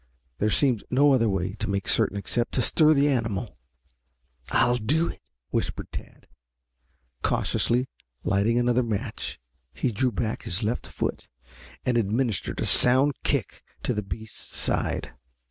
There seemed no other way to make certain except to stir the animal. "I'll do it," whispered Tad. Cautiously lighting another match he drew back his left foot and administered a sound kick to the beast's side.